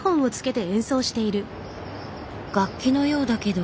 楽器のようだけど。